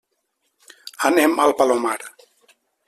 Anem al Palomar.